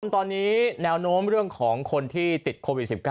ตอนนี้แนวโน้มเรื่องของคนที่ติดโควิด๑๙